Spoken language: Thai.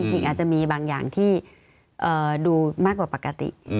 จริงอาจจะมีบางอย่างที่ดูมากกว่าปกติ